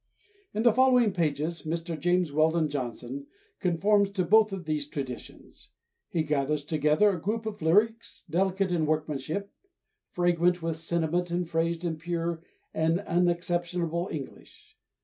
In the following pages Mr. James Weldon Johnson conforms to both of these traditions. He gathers together a group of lyrics, delicate in workmanship, fragrant with sentiment, and phrased in pure and unexceptionable English.